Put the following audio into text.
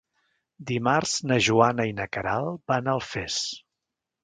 Dimarts na Joana i na Queralt van a Alfés.